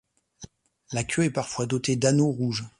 La queue est parfois doté d'anneaux rouges.